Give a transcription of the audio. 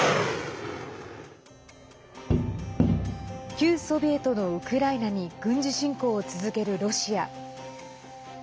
旧ソビエトのウクライナに軍事侵攻を続けるロシア。